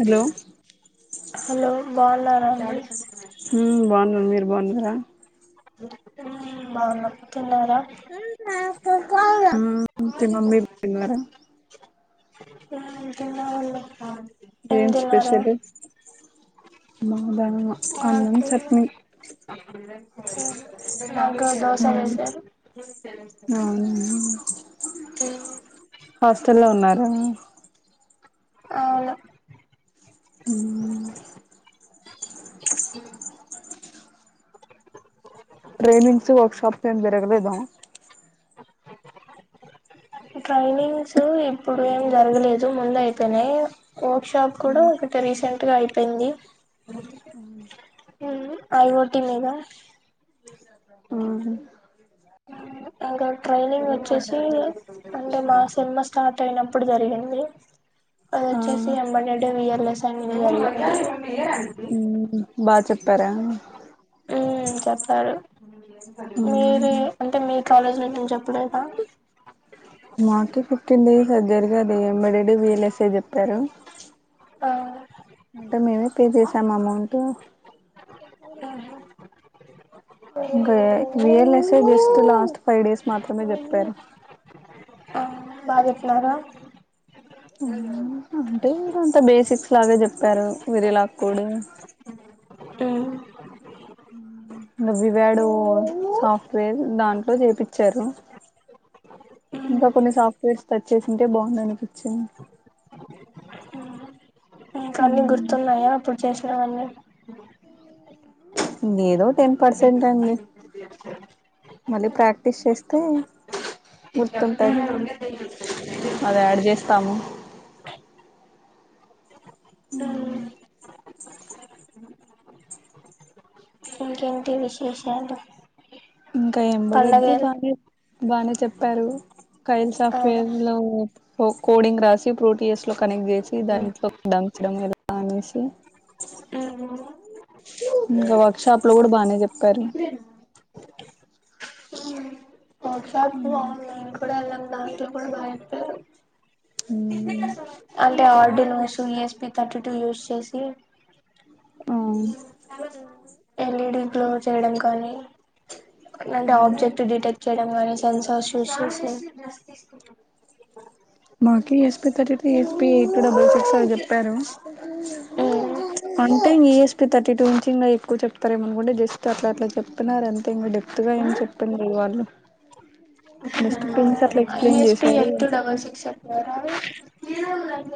hello hello [unintelligible] హు బాగున్నాను మీరు బాగున్నర హు బాగున్న తిన్నర హు తిన్న మీరు తిన్నార ఆ తినామండి ఏం స్పెషల్ [unintelligible] అన్నం చట్నీ నాక దోశ ఉమ్ వేసారు అ అ హాస్టల్ల్లో ఉన్నారా అవును అ హ ట్రైనింగ్స్ వర్క్షాప్స్ ఏం జరగలేద ట్రైనింగ్స్ ఇప్పుడు ఏం జరగలేదు ముందు అయిపోయినాయి వర్క్ షాప్ కూడ అ రీసెంట్ గా అయిపోయింది అ ఐ ఒ టి మీద ఆ ఇంకా ట్రైనింగ్ వచ్చేసి అంటే మా సెమ్ స్టార్ట్ అయినప్పుడు జరిగింది అ ఆ వచ్చేసి [unintelligible] బా చెప్పార చెప్పారు ఉమ్ మీరు అంటే మీరు కాలేజ్ లో నేను చెప్పలేద మాకే ఫిఫటిన్ డేస్ అది ఎంబడడు వీల్ ఎస్ఏ చెప్పారు ఆ అంటే మేమే పే చేసాం అమౌంట్ ఇంకా VLSA just last five days మాత్రమే చెప్పారు బాగ చెప్పినార అంటే అంత బేసిక్స్ లాగే చెప్పారు వీరిలాగ్ కోడ్ మ్మ్ [unintelligible] సాఫ్ట్వేర్ దాంట్లో చేపిచ్చారు ఇంకా మ్మ్ కొన్ని సాఫ్ట్వేర్స్ తెచ్చే అంటే బాగుందనిపించింది ఇంకన్ని గుర్తున్నాయా అప్పుడు చేసినవన్నీ ఏదో టెన్ పర్సెంట్ అండి మళ్ళీ ప్రాక్టీస్ చేస్తే గుర్తుంటంది అది యాడ చేస్తాము మ్ ఇంకేంటి విశేషాలు ఇంకా ఏంబడేది పండగలు బానే బాగానే చెప్పారు కైల్ ఆ సాఫ్ట్వేర్ లో కోడింగ్ రాసి ప్రోటీయస్ లో కనెక్ట్ చేసి దాంట్లో దంచడం ఎల అనేసి మ్మ్ ఇంకా వర్క్ షాప్ లో కూడా బానే చెప్పారు వర్క్షాప్ ఆన్లైన్ కూడా దాంట్లో లో కూడా బాగా చెప్తారు అంటే Arduinos ESP thirty two use చేసి మ్మ్ ఎల్ఈడి క్లో చేయడం కానీ అంటే ఆబ్జెక్ట్ డిటెక్ట్ చేయడం కానీ సెన్సార్ యూస్ చేస మాకి ESP thirty three ESP eight double six అవి చెప్పారు అంటే ఇం ఈఎస్పి థర్టీ టూ నుంచి ఇంకా ఎక్కువ చెప్తారేమనుకుంటే జస్ట్ అట్లా అట్లా చెప్తున్నారు అంతే ఇంకా చెప్తుగా ఏం చెప్పండి వాళ్ళు జస్ట్ పిన్స్ట్ల S P eight two double six ఎట్రా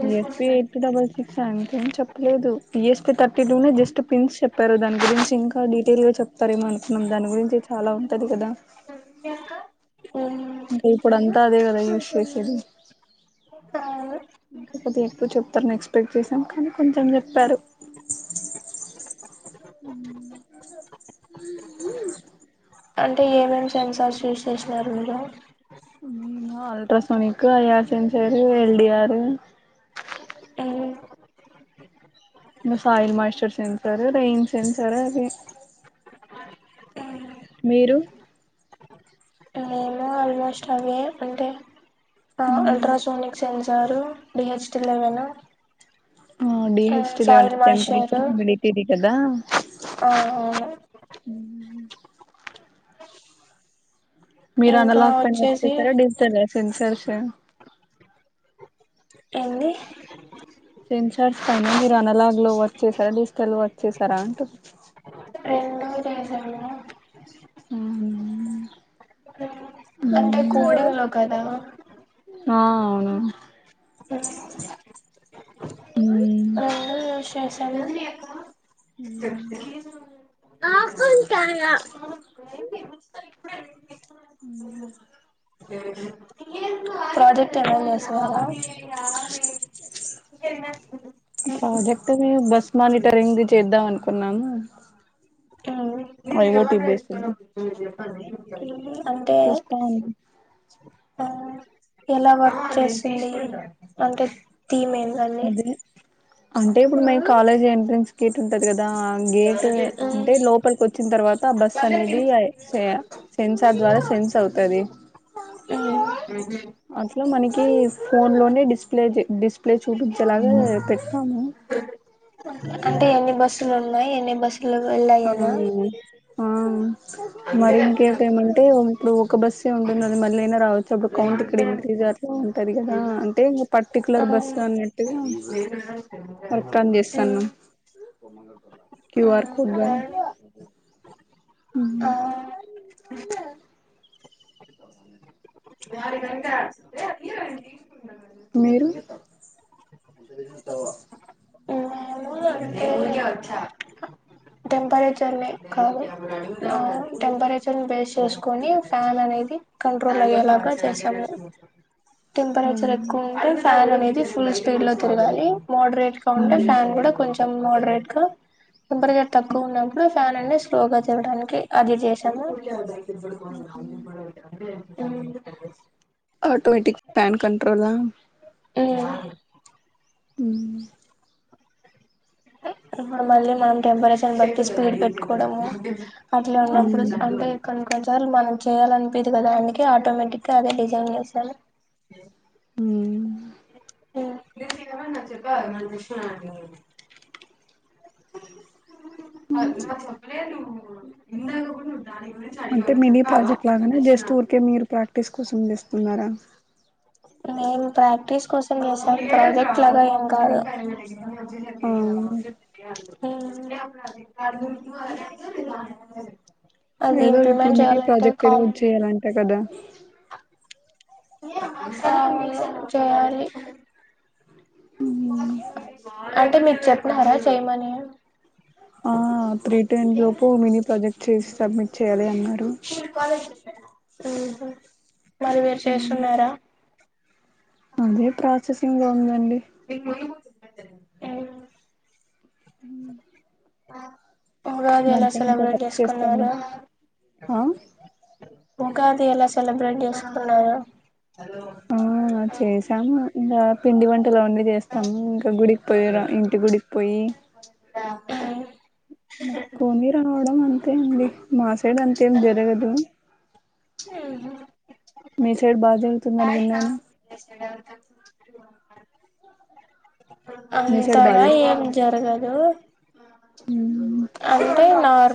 జ S P eight double six అం ఏం చెప్పలేదు ఈఎస్పి థర్టీ టూనే జస్ట్ పిన్స్ చెప్పారు దాని గురించి ఇంకా డీటెయిల్ గా చెప్తారు మరి అనుకున్నాం దాని గురించి చాలా ఉంటది కదా యక్క అంటే ఇప్పుడు అంతా అదే కదా యూస్ చేసేది ఇంకా కొద్దిగా ఎక్కువ చెప్తారని ఎక్స్పెక్ట్ చేసాం కానీ కొంచెం చెప్పారు ఉ అంటే ఏమేం సెన్సార్స్ యూస్ చేసినారు మీరు ultrasonic IR sensor LDR soil moisture sensor rain sensor అది మీరు మేము ఆల్మోస్ట్ అవే అంటే అల్ట్రాసోనిక్స్ సెన్సర్ డిహెచ్డి లెవెన్ ఆ డహేచ్టీ ఎలావెన్ సాయిల్ టెంపరేచర్ మడితది కదా ఆ అవును ఉహుమ్ మీరు ఇంకా అన్లాక్ పని వచ్చేసి వచ్చేసారా డిజిటల్ సెన్సర్స్ ఏంది సెన్సార్జ పైన మీరు అనలాగ్ లో వచ్చేసారా డిజిటల్ వచ్చేసారా అంటు ఎ ఆ అంటే కోడింగ్ లో కాదా ఆ అవును మ్మ్ ఎక్కడ ఆ కొ కా అవునా అదటే మన్ సువాల ప్రాజెక్ట్ది బస్ మానిటరింగ్ చేద్దాం అనుకున్నాను అయివోటి బసి అంటే చస్తా ఆ ఎలా వర్క్ చేసింది అంటే థీమ్ ఏందండి అదే అంటే ఇప్పుడు మేము కాలేజ్ ఎంట్రెన్స్ గేట్ ఉంటది కదా గేట్ మ్మ్ అంటే లోపలికి వచ్చిన తర్వాత బస్సు అనేది సే సెన్సార్ ద్వారా సెన్స్ అవుతది ఉంహు లో మనకి ఫోన్ లోనే డిస్ప్లే డిస్ప్లే చూ చూపించేలాగా పెడతాము అంటే ఎన్ని బస్సులు ఉన్నాయి ఎ బస్సులో వెళ్ళాయ్ ఆ అ నా ఆ మరింకేటి ఏమన్న అంటే ఇప్పుడు ఒక బస్ ఏ ఉంటుంది అది మళ్ళీ అయినా రావచ్చు అప్పుడు కౌంట్ ఇక్కడ ఇంక్రీజ్ అట్లా ఉంటది కదా అంటే ఆ పర్టికులర్ బస్ మ్మ్ అన్నట్టుగా వర్కాన్ చేస్తన్నమ్ క్యూఆర్ కో ఫుడ్బా మ్మ్ ఉమ్ ఆ బండి మీరు ఆ టెంపరేచర్ నీ కాదు టెంపరేచర్ ని బేస్ చేసుకొని ఫ్యాన్ అనేది కంట్రోల్ అయ్యేలాగ చేసాము ఆ టెంపరేచర్ ఎక్కువ ఉంటే ఫ్యాన్ అనేది ఫుల్ స్పీడ్ లో తిరగాలి మోడరేట్ గా ఉంటే ఫ్యాన్ కూడా కొంచెం మోడరేట్ గా టెంపర్ తప్ అప్పుడు ఫ్యాన్ అన్ని స్లోగా తిరగడానికి అది చేశాము ఉమ్ ఆటోమేటిక్ ఫ్యాన్ కంట్రోల్ ఆ ఉమ్ ఉమ్ ఇప్పుడు మళ్ళీ మనం టెంపరేచర్ బట్టి స్పీడ్ పెట్టుకోవడము అట్లా ఉన్నప్పుడు అంటే కొ కొన్నిసార్లు మనం చేయాలినిపిదు కదా అందుకే ఆటోమేటిక్ గా అదే డిజైన్ చేసాలి ఉమ్ [unintelligible] ఆ నాక్ చెప్పలేదు నువ్వు ఇందాక కు అంటే మినీ ప్రాజెక్ట్ లాగానే జస్ట్ ఊరికే మీరు ప్రాక్టీస్ కోసం చేస్తున్నారా మేం ప్రాక్టీస్ కోసం చేసాం ప్రాజెక్ట్ లాగా ఏం కాదు ఆ ఉమ్ [unintelligible] ఏదో ఇప్పుడు మీనీ ప్రాజెక్ట్ ఏదో చేయాలంట కదా ఆ చేయాలి అంటే మీకు చెప్నారా చేయమని ఆ త్రీ టెన్ లోపు మినీ ప్రాజెక్ట్ చేసి సబ్మిట్ చేయాలి అన్నారు ఉమ్ మరి మీరు చేస్తున్నారా అదే ప్రాసెసింగ్ లో ఉంది మీకు మొన్న మొన్ననే జరిగి ఆ ఉమ్ ఆ ఉగాది ఎలా సెలబ్రేట్ వర్క్ చేసుకున్నారు చేస్తాను ఉగా ది ఎలా సెలబ్రేట్ చేసుకున్నారు ఆ చేశాము ఇగ పిండి వన్ టలు అవన్నీ చేస్తాం ఇంకా గుడికి పోయ ఇంటి గుడికి పోయి ముక్కోనీ రావడం అన్ తే అండి మాసైడు అంతెం జరగదు మీ సైడ్ బా కా మీ సైడ్ అంతగా ఏం జరగదు మ్మ్ హ్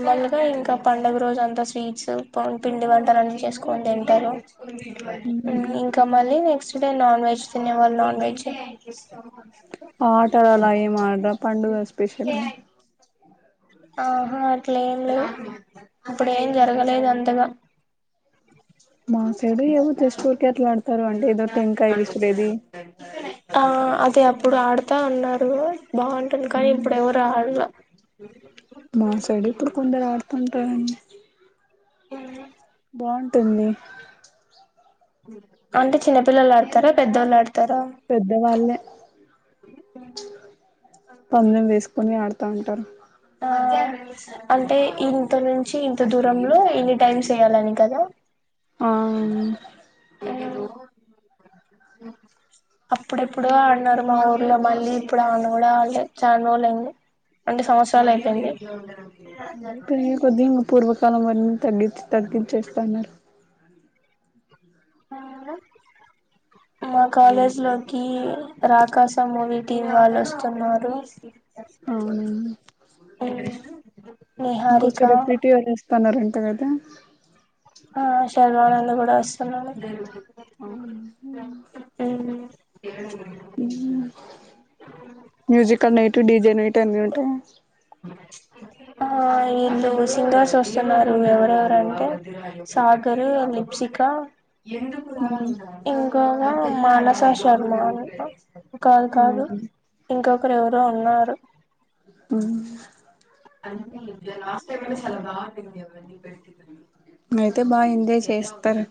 మెల్లిగా ఇంకా పండుగ రోజు అంతా స్వీట్స్ పం పిండి వంటలు అన్నీ చేసుకొని తింటరు మ్మ్ ఇంకా మళ్ళీ నెక్స్ట్ డే నాన్ వెజ్ తినేవాళ్ళు ఉండొచ్చు ఆట అలా ఏం ఆడరా పండుగ స్పెషల్ గా ఆహా అట్ల ఏం లేదు ఇప్పుడు ఏం జరగలేదు అంతగా మా సైడు ఏమో జస్ట్ ఊర్కే అట్లా ఆడతారు అంటే ఏదో టెంకాయ విసిరేది ఆ అదే అప్పుడు ఆడుతా ఉన్నా రూ బాగుంటుంది కానీ ఇప్పుడు ఎవరు ఆడలా మా సైడు ఇప్పుడు [unintelligible] ఆడుతుంటారండి ఆహ్ బాగుంటుంది అంటే చిన్నపిల్లలు ఆడుతారా పెద్దోళ్ళు ఆడు పెద్దవాళ్ళే ప్చ్ పందెం వేసు కొని ఆడుతా ఉంటారు ఆ అంటే ఇంత నుంచి ఇంత దూరంలో ఇన్ని టైమ్స్ వేయాలని కదా ఆ ఏదో అప్పుడెప్పుడు అడ్నారు మా ఊర్లో మళ్ళీ ఇప్పుడు ఆడ్ను కూడా ఆడ్లే చాన్ రోజులయ్యింది అంటే సంవత్సరాలు అయిపోయింది అదే పెరిగే కొద్ది ఇంకా పూర్వకాలం వన్నీ తగ్గించి తగ్గించేస్తున్నారు మా కాలేజ్ లోకి రాకాస మూవీ టీమ్ వాళ్ళు వస్తున్నారు అవునవును హుమ్ ఇంకో సైడ్ పిటీ వాళ్ళు వస్తన్నారంట కదా గూడ వస్తున్నాడ ఆ హుమ్ మ్యూజికల్ నే డిజె నైటు అన్నీ ఉంటాయ ఆ వీళ్ళు సింగర్స్ వస్తున్నారు ఎవరెవరంటే సాగర్ లిప్సిక్ ఇంక ఇంకొక మానస శర్మ అంట కాదు కాదు ఇంకొకరు ఎవరో ఉన్నారు హుమ్ అయితే బాగా ఎంజాయ్ చేస్తారు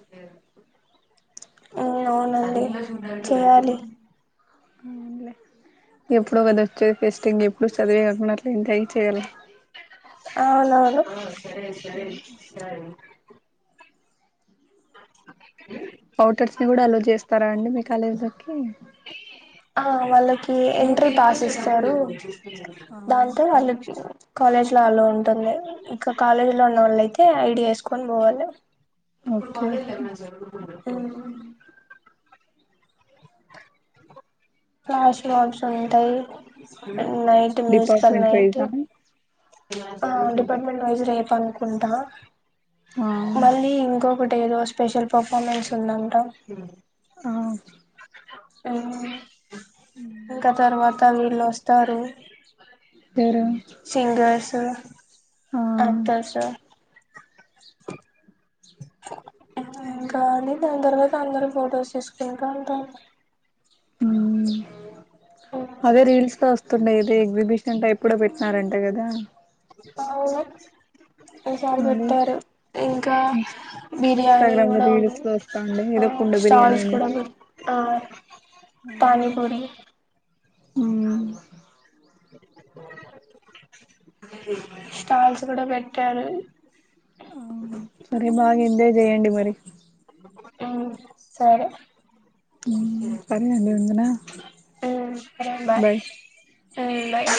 హుమ్ అవునండి చేయాలి అవునులే ఎప్పుడో కద వచ్చేది ఫెస్టింగ్ ఎప్పుడు చదివే కాకుండా అట్లా ఎంజాయ్ చేయ్యాల ఆవునవును ఔటర్స్ ని కూడా అలవ్ చేస్తారా అండి మీ కాలేజ్ లో కి ఆ వాళ్ళకి ఎంట్రీ పాస్ ఇస్తారు దాంతో వాళ్ళు కాలేజ్ ఇట్లాలో ఉంటుంది ఇంక కాలేజీ లో ఉన్న వాళ్ళు అయితే ఐడి వేసుకొని పోవాలి ఇప్పుడు ఓకే కాలేజ్ లో ఓకే ఏమన్నా జరుగుతుందా ఫ్లాష్ మాబ్స్ ఉంటాయి నైట్ మ్యూజికల్ డిపార్ట్మెంట్ నైటు వైజా ఆ డిపార్ట్మెంట్ వైజు రేపు అనుకుంటా ఆ మళ్ళీ ఇంకొకటి అంటే ఏదో స్పెషల్ పెర్ఫార్మెన్స్ ఉందంట ఆ హ్మ్ ఇంకా తర్వాత వీళ్ళొస్తారు ఎవరు అత్తస మ్మ్ కాని దాని తర్వాత అందరు ఫొటోస్ తీసు ఇంకాంత ఉమ్మ్ అదే రీల్స్ లో వస్తుండాయి ఇదే ఎగ్జిబిషన్ టైప్ ఎప్పుడో పెట్నారంట గదా అవు ఈ సారి అదే పెట్టారు ఇంకా బిర్యానీ ఇన్స్టాగ్రామ్ లో కూడా ఉంది రీల్స్ లో వస్తాండే ఆ ఏదో కుండ బిర్యానీ స్టల్స్ కూడ అనేసి పేట్ ఆ పానీపూరి ఉమ్మ్మ్ స్టాల్స్ కూడా పెట్టారు ఆ సరే బాగా ఎంజాయ్ చేయండి మరి ఉమ్మ్ సరే సరే అండి ఉందునా ఉమ్మ్ సరే బాయ్ మ్మ్ బాయ్